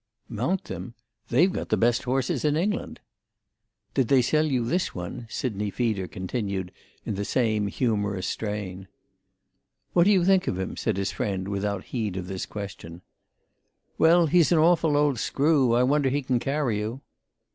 "Mount them? They've got the best horses in England." "Did they sell you this one?" Sidney Feeder continued in the same humorous strain. "What do you think of him?" said his friend without heed of this question. "Well, he's an awful old screw. I wonder he can carry you."